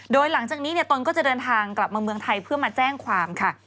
โดยหลังจากนี้ตนก็จะเดินทางกลับมาเมืองไทยเพื่อมาแจ้งความค่ะ